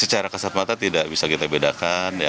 secara kasat mata tidak bisa kita bedakan